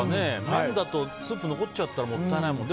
麺だとスープが残っちゃったらもったいないもん。